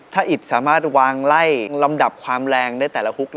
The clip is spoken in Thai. ถ้าอิดสามารถวางไล่ลำดับความแรงได้แต่ละฮุก